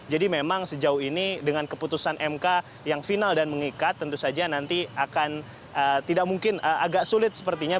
jadi memang sejauh ini dengan keputusan mk yang final dan mengikat tentu saja nanti akan tidak mungkin agak sulit sepertinya